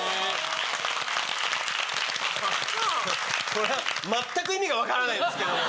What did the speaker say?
これ全く意味が分からないんですけど。